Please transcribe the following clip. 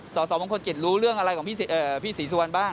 สสมงคลกิจรู้เรื่องอะไรของพี่ศรีสุวรรณบ้าง